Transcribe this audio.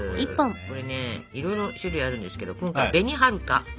これねいろいろ種類あるんですけど今回は「紅はるか」を使います！